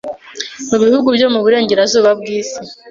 Mu bihugu byo mu burengerazuba bw’isi